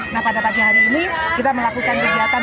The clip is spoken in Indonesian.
nah pada pagi hari ini kita melakukan kegiatan